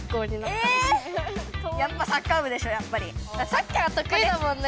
サッカーとくいだもんね。